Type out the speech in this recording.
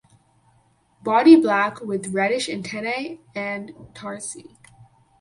Body black with reddish antennae and tarsi.